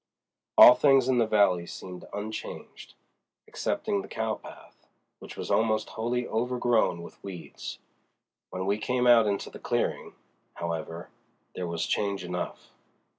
All things in the valley seemed unchanged, excepting the cowpath, which was almost wholly overgrown with weeds. When we came out into the "clearing," however, there was change enough.